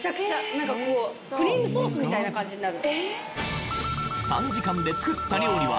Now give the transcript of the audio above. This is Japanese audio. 何かこうクリームソースみたいな感じになる。